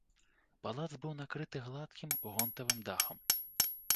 Палац быў накрыты гладкім гонтавым дахам.